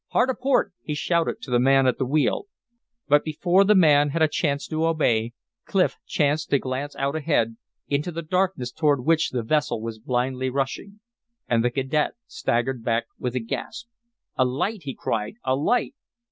"Hard a port!" he shouted to the man at the wheel. But before the man had a chance to obey Clif chanced to glance out ahead, into the darkness toward which the vessel was blindly rushing. And the cadet staggered back with a gasp. "A light!" he cried. "A light!"